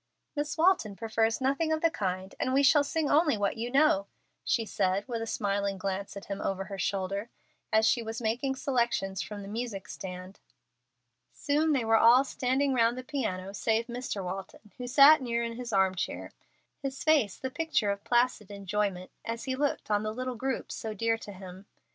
"Miss Walton prefers nothing of the kind, and we shall sing only what you know," she said, with a smiling glance at him over her shoulder, as she was making selections from the music stand. Soon they were all standing round the piano, save Mr. Walton, who sat near in his arm chair, his face the picture of placid enjoyment as he looked on the little group so dear to him.